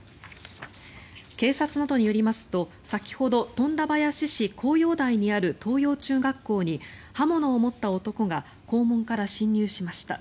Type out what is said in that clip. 警察などによりますと先ほど、富田林市向陽台にある藤陽中学校に刃物を持った男が校門から侵入しました。